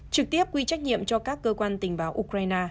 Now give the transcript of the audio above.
trực tiếp quy trách nhiệm cho các cơ quan tình báo ukraine